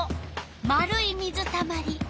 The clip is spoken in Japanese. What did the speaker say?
丸い水たまり。